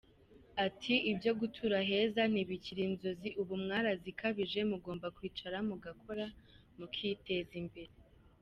Ati “Ibyo gutura heza ntibikiri inzozi, ubu mwarazikabije, mugomba kwicara mugakora mukiteza imbere.